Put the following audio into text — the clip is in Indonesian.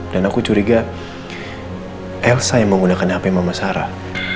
dan aku curiga elsa yang menggunakan handphone mama sarah